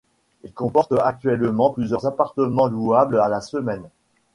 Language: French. Il comporte actuellement plusieurs appartements louables à la semaine.